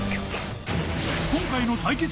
今回の対決